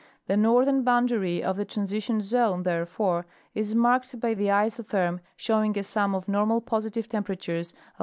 The northern boundary of the Upper Austral zone, therefore, is marked by the isotherm showing a sum of normal positive temperatures of 6,400° C.